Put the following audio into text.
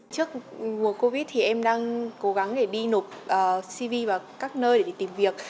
trước mùa covid thì em đang cố gắng để đi nộp cv vào các nơi để đi tìm việc